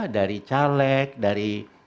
dari caleg dari